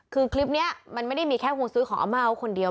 คือคลิปนี้มันไม่ได้มีแค่คนซื้อของอาม่าเขาคนเดียว